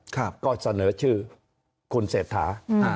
ก็เสนอชื่อคุณเศรษฐา